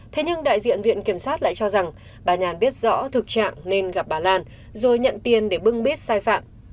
thế nhưng đại diện viện kiểm sát lại cho rằng bà nhàn biết rõ thực trạng nên gặp bà lan rồi nhận tiền để bưng bít sai phạm